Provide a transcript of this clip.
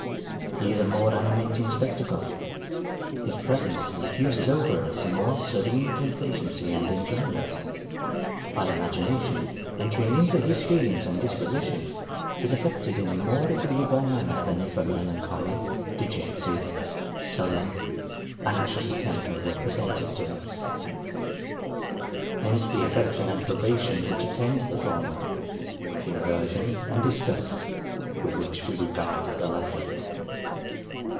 He is a more animating spectacle; his presence diffuses over us more serene complacency and enjoyment; our imagination, entering into his feelings and disposition, is affected in a more agreeable manner than if a melancholy, dejected, sullen, anxious temper were presented to us. Hence the affection and probation which attend the former: the aversion and disgust with which we regard the latter.